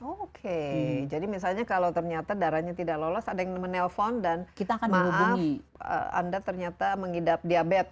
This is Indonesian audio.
oke jadi misalnya kalau ternyata darahnya tidak lolos ada yang menelpon dan maaf anda ternyata mengidap diabetes